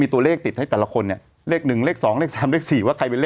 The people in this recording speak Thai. ตอนจบของรายการ